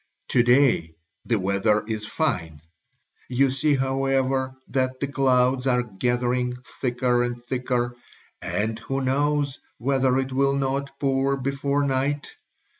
To day the weather is fine; you see, however, that the clouds are gathering thicker and thicker and who knows whether it will not pour before night?